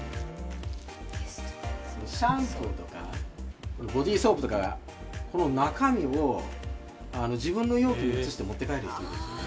シャンプーとか、ボディーソープとか、この中身を自分の容器に移して持って帰る人いるんですよね。